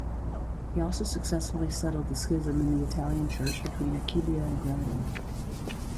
He also successfully settled the schism in the Italian church between Aquileia and Grado.